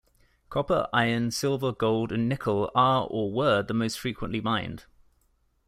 Copper, iron, silver, gold and nickel are or were the most frequently mined.